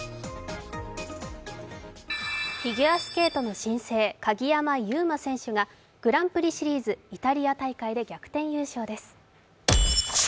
フィギュアスケートの新星鍵山優真選手がグランプリシリーズ・イタリア大会で逆転優勝です。